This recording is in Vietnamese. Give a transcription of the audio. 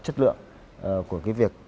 chất lượng của cái việc